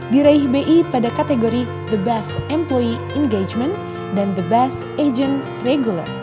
diraih bi pada kategori the best employ engagement dan the best agent regular